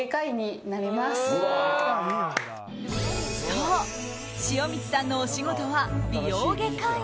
そう、塩満さんのお仕事は美容外科医。